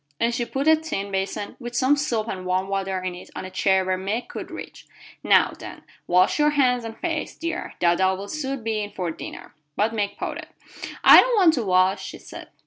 And she put a tin bason with some soap and warm water in it on a chair where Meg could reach. "Now, then, wash your hands and face, dear. Dada will soon be in for dinner." But Meg pouted. "I don't want to wash," she said.